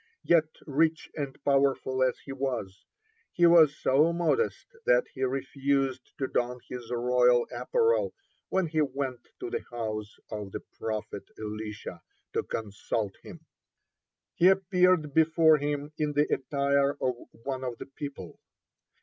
(26) Yet rich and powerful as he was, he was so modest that he refused to don his royal apparel when he went to the house of the prophet Elisha to consult him; he appeared before him in the attire of one of the people.